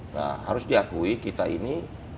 nah harus diakui kita ini